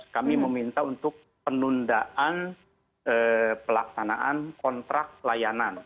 kami meminta untuk penundaan pelaksanaan kontrak layanan